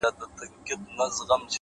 صبر د ناوخته بریا ساتونکی وي.!